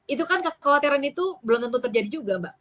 itu kan kekhawatiran itu belum tentu terjadi juga mbak